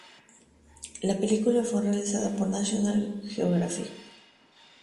La película fue realizada por National Geographic.